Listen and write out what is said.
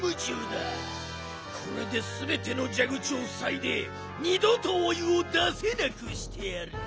これですべてのじゃぐちをふさいでにどとお湯を出せなくしてやるぞ！